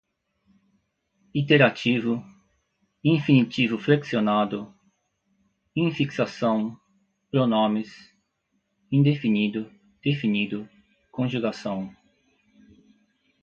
iterativo, infinitivo flexionado, infixação, pronomes, indefinido, definido, conjugação